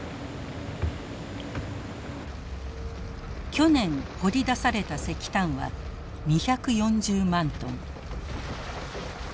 去年掘り出された石炭は２４０万トン。